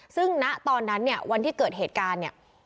ซึ่งณตอนนั้นเนี่ยวันที่เกิดเหตุการณ์เนี่ย